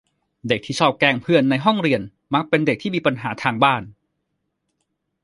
เด็กที่ชอบแกล้งเพื่อนในห้องเรียน มักเป็นเด็กที่มีปัญหาทางบ้าน